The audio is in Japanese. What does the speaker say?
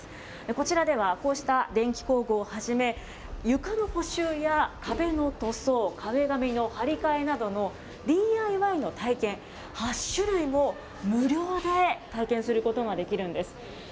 こちらでは、こうした電機工具をはじめ、床の補修や壁の塗装、壁紙の貼り替えなどのＤＩＹの体験、８種類も無料で体験することができるんです。